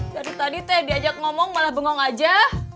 dari tadi teh diajak ngomong malah bengong aja